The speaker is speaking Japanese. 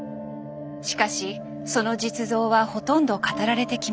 しかしその実像はほとんど語られてきませんでした。